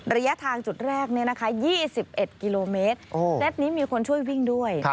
ระยะทางจุดแรก๒๑กิโลเมตรเซตนี้มีคนช่วยวิ่งด้วย